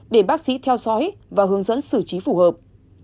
để bác sĩ theo dõi và hướng dẫn xử trí phù hợp